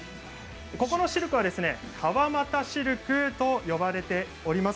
ここのシルクは川俣シルクと言われています。